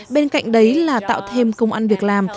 bên cạnh đấy là tạo thêm công ăn việc làm